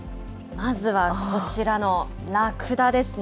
まずはこちらのラクダですね。